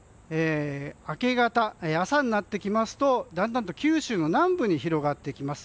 明け方、朝になってきますとだんだんと九州の南部に広がっていきます。